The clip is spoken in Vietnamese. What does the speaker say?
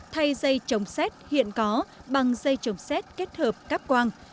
thay dây chống xét hiện có bằng dây chống xét kết hợp cắp quang